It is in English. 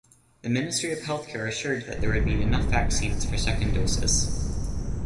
The Ministry of Healthcare assured that there would be enough vaccines for second doses.